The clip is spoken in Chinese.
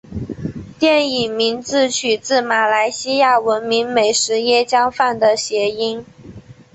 电影名字取自马来西亚闻名美食椰浆饭的谐音。